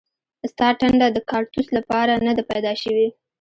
ستا ټنډه د کاړتوس لپاره نه ده پیدا شوې